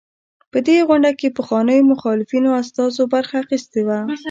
په دې غونډه کې پخوانيو مخالفینو استازو برخه اخیستې وه.